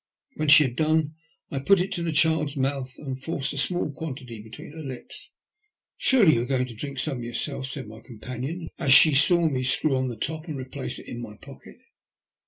When she had done so I put it to the child's mouth and forced a small quantity between her lips. " Surely you are going to drink some yourself," 154 THE LUST OF HATE. said my companion, as she saw me screw on tlie top and replace it in my pocket.